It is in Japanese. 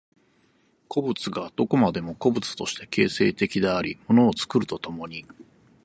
個物がどこまでも個物として形成的であり物を作ると共に、